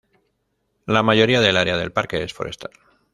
La mayoría del área del parque es forestal.